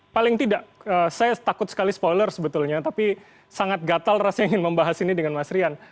paling tidak saya takut sekali spoiler sebetulnya tapi sangat gatal rasanya ingin membahas ini dengan mas rian